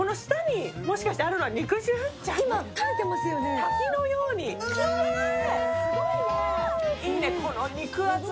滝のように、すごいね。